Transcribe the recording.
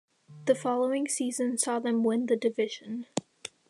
The following season saw them win the division.